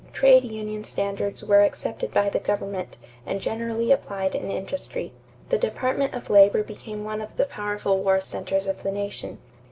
Trade union standards were accepted by the government and generally applied in industry. The Department of Labor became one of the powerful war centers of the nation.